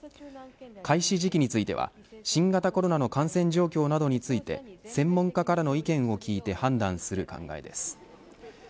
開始時期については新型コロナの感染状況などについて専門家からの意見を聞いて判断する考えです。